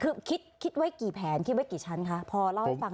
คือคิดไว้กี่แผนคิดไว้กี่ชั้นคะพอเล่าให้ฟัง